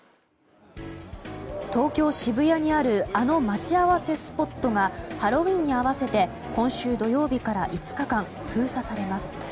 東京・渋谷にあるあの待ち合わせスポットがハロウィーンに合わせて今週土曜日から５日間封鎖されます。